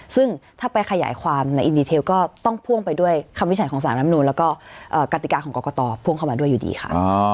ซึ่งถ้าไปขยายความในอินดีเทลก็ต้องพ่วงไปด้วยคำวิจัยของสารรับนูนแล้วก็กติกาของกรกตพ่วงเข้ามาด้วยอยู่ดีค่ะ